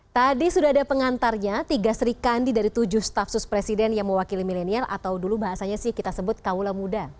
tadi sudah ada pengantarnya tiga serikandi dari tujuh staf sus presiden yang mewakili milenial atau dulu bahasanya sih kita sebut kaula muda